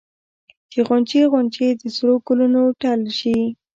چې غونچې غونچې د سرو ګلونو ټل شي